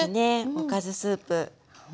おかずスープ。